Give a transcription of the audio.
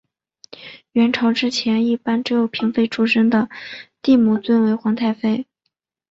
阮朝之前一般只有妃嫔出身的帝母尊为皇太妃。